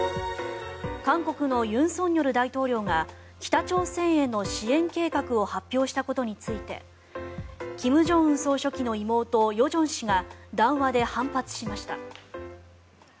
韓国の尹錫悦大統領が北朝鮮への支援計画を発表したことについて金正恩総書記の妹・与正氏が談話で反発しました。